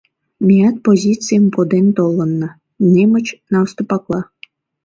Меат позицийым коден толынна, немыч наступатла.